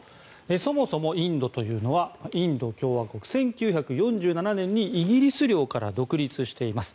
そもそもインドというのはインド共和国、１９４７年にイギリス領から独立しています。